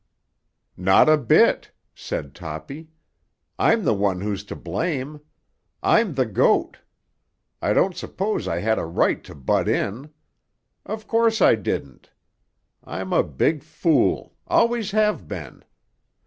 "Not a bit," said Toppy. "I'm the one whose to blame. I'm the goat. I don't suppose I had a right to butt in. Of course I didn't. I'm a big fool; always have been.